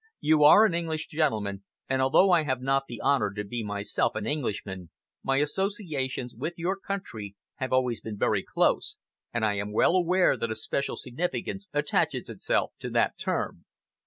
You are an English gentleman, and although I have not the honor to be myself an Englishman, my associations with your country have always been very close, and I am well aware that a special significance attaches itself to that term."